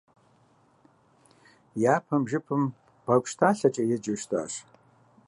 Япэм жыпым бгъэгущталъэкӏэ еджэу щытащ.